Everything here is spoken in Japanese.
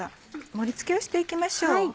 盛り付けをして行きましょう。